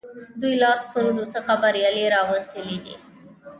دوی له ستونزو څخه بریالي راوتلي دي.